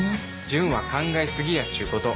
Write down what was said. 純は考え過ぎやっちゅうこと。